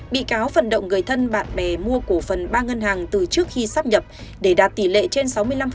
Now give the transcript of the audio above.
bị cáo vận động người thân bạn bè mua cổ phần ba ngân hàng từ trước khi sắp nhập để đạt tỷ lệ trên sáu mươi năm